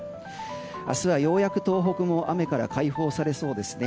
明日はようやく東北も雨から解放されそうですね。